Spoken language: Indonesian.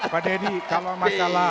pak deddy kalau masalah